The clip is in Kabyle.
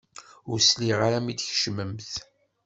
Ur sliɣ ara mi d-tkecmemt.